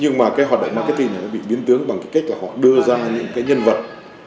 nhưng mà hoạt động marketing bị biến tướng bằng cách họ đưa ra những nhân vật